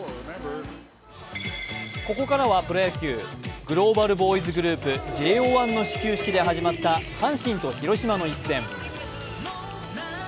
ここからはプロ野球グローバルボーイズグループＪＯ１の始球式で始まった阪神と広島の一戦。